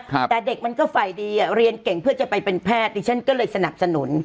แต่เด็กมันก็ฝ่ายดีอ่ะเรียนเก่งเพื่อจะไปเป็นแพทย์ดิฉันก็เลยสนับสนุน